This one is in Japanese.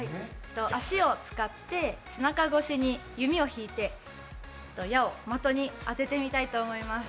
足を使って背中越しに弓を引いて矢を的に当ててみたいと思います。